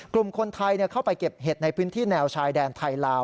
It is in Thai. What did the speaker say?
กลุ่มคนไทยเข้าไปเก็บเห็ดในพื้นที่แนวชายแดนไทยลาว